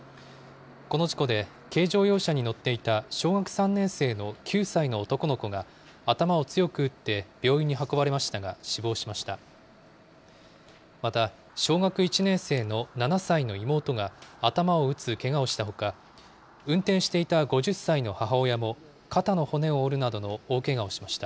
この事故で、軽乗用車に乗っていた小学３年生の９歳の男の子が頭を強く打って病院に運ばれましたが、死亡しました。